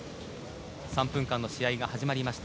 ３分間の試合が始まりました。